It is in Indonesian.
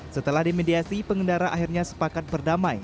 setelah dimediasi pengendara akhirnya sepakat berdamai